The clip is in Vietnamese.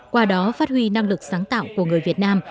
qua đó phát huy năng lực sáng tạo của người việt nam